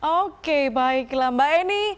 oke baiklah mbak eni